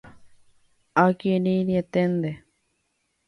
Akirirĩeténte